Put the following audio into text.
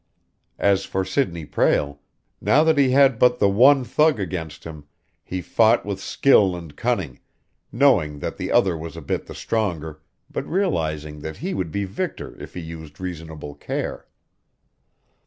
As for Sidney Prale, now that he had but the one thug against him, he fought with skill and cunning, knowing that the other was a bit the stronger, but realizing that he would be victor if he used reasonable care.